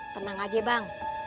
tenang aja bang